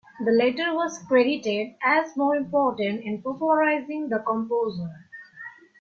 The latter was credited as more important in popularizing the composer.